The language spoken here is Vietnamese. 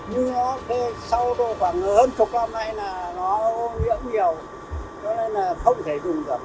nhưng sau khoảng hơn chục năm nay là nó ô nhiễm nhiều cho nên là không thể dùng rửa